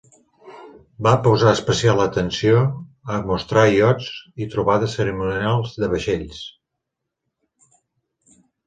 Va posar especial atenció a mostrar iots i trobades cerimonials de vaixells.